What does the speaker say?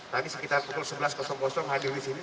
tadi sekitar pukul sebelas hadir di sini